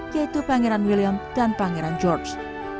yaitu pangeran william dan pangeran george